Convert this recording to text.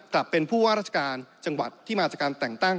กลับเป็นผู้ว่าราชการจังหวัดที่มาจากการแต่งตั้ง